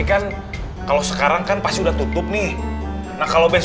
ini nggak sama nggak sama dong beli belah belumasi